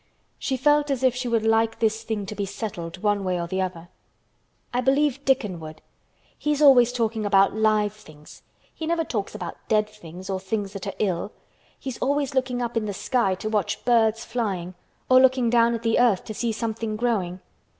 She felt as if she would like this thing to be settled one way or the other. "I believe Dickon would. He's always talking about live things. He never talks about dead things or things that are ill. He's always looking up in the sky to watch birds flying—or looking down at the earth to see something growing.